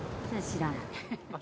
知らない。